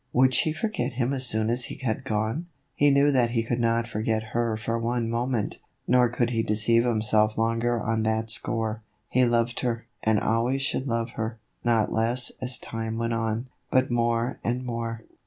Would she forget him as soon, as he had gone ? He knew that he could not forget her for one moment, nor could he deceive himself longer on that score. He loved her, and always should love her, not less as time went on, but more and more.